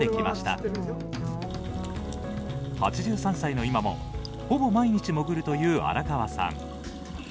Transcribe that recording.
８３歳の今もほぼ毎日潜るという荒川さん。